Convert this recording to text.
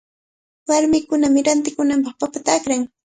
Warmikunami rantikunanpaq papata akran.